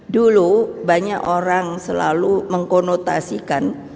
dulu banyak orang selalu mengkonotasikan